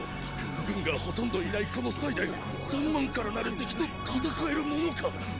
軍がほとんどいないこので三万からなる敵と戦えるものか。